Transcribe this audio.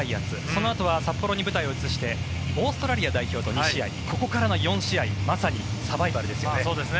そのあとは札幌に舞台を移してオーストラリア代表と２試合ここからの４試合まさにサバイバルですね。